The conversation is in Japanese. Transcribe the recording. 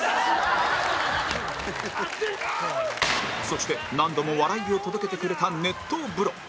そして何度も笑いを届けてくれた熱湯風呂